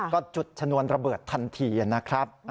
ก็จุดชนวนระเบิดทันทีนะครับ